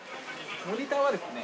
モニターはですね